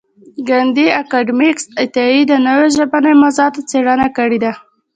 کانديد اکاډميسن عطايي د نوو ژبنیو موضوعاتو څېړنه کړې ده.